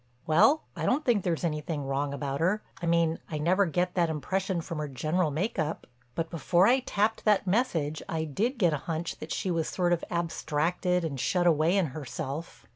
"Well, I don't think there's anything wrong about her—I mean I'd never get that impression from her general make up. But before I tapped that message, I did get a hunch that she was sort of abstracted and shut away in herself.